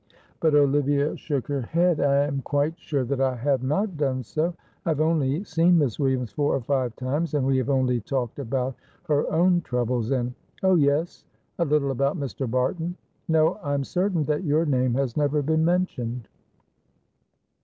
But Olivia shook her head. "I am quite sure that I have not done so. I have only seen Miss Williams four or five times, and we have only talked about her own troubles and oh yes, a little about Mr. Barton. No, I am certain that your name has never been mentioned."